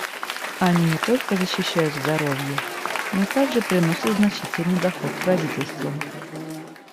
Они не только защищают здоровье, но также приносят значительный доход правительствам.